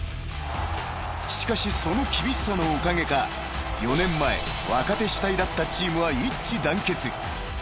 ［しかしその厳しさのおかげか４年前若手主体だったチームは一致団結］